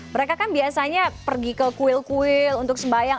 mereka kan biasanya pergi ke kuil kuil untuk sembayang